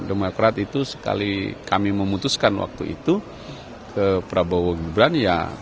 demokrat itu sekali kami memutuskan waktu itu ke prabowo gibran ya